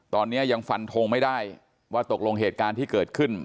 ตอนนี้ยังฟันทงไม่ได้ว่าตกลงเหตุการณ์ที่เกิดขึ้น